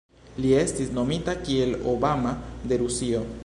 Li estis nomita kiel "Obama de Rusio".